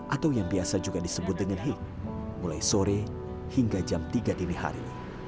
atau yang biasa juga disebut dengan hik mulai sore hingga jam tiga dini hari